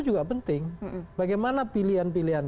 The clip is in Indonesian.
juga penting bagaimana pilihan pilihan